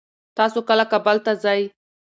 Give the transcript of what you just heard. تاسو کله کابل ته ځئ؟